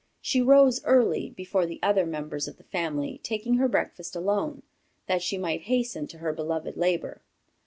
She rose early, before the other members of the family, taking her breakfast alone, that she might hasten to her beloved labor.